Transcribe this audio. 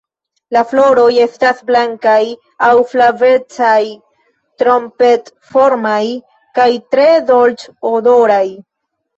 La floroj estas blankaj aŭ flavecaj, trompet-formaj kaj tre dolĉ-odoraj.